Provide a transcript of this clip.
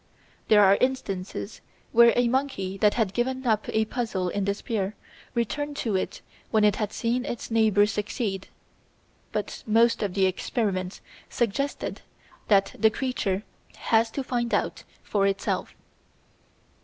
There are instances where a monkey that had given up a puzzle in despair returned to it when it had seen its neighbour succeed, but most of the experiments suggested that the creature has to find out for itself.